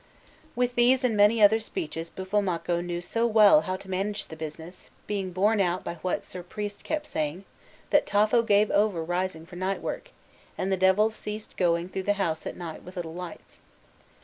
With these and many other speeches Buffalmacco knew so well how to manage the business, being borne out by what Sir Priest kept saying, that Tafo gave over rising for night work, and the devils ceased going through the house at night with little lights.